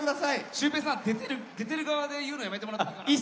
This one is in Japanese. シュウペイさん出てる側で言うのやめてもらっていいですか？